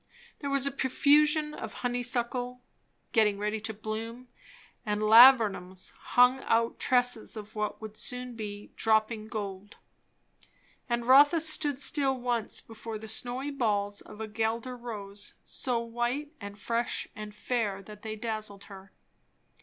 There was a profusion of honeysuckle, getting ready to bloom; and laburnums hung out tresses of what would be soon "dropping gold." And Rotha stood still once before the snowy balls of a Guelder rose, so white and fresh and fair that they dazzled her.